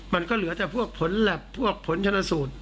มันก็เหลือแต่พวกผลแล็บพวกผลชนสูตร